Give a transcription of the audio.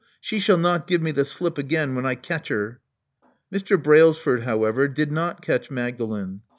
She sbsJl not give me the slip again, when I catch her." Mr. Brailsford, however, did not catch Magdalen.